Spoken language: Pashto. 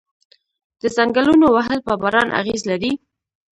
د ځنګلونو وهل په باران اغیز لري؟